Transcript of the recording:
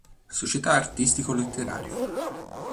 Società Artistico Letteraria.